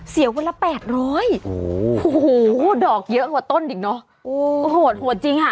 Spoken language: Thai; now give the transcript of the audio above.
เสียเวลา๘๐๐โอ้โหดอกเยอะกว่าต้นอีกเนอะโหดจริงค่ะ